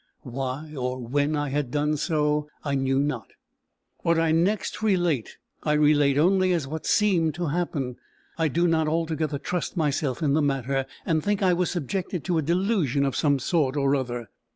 Why or when I had done so I knew not. What I next relate, I relate only as what seemed to happen. I do not altogether trust myself in the matter, and think I was subjected to a delusion of some sort or other.